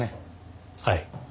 はい。